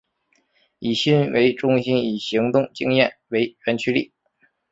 以心为中心以行动经验为原驱力。